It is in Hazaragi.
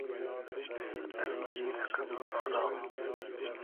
تو قئد امزی رئقئم کارا